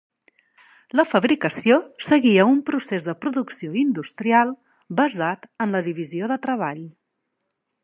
La fabricació seguia un procés de producció industrial basat en la divisió de treball.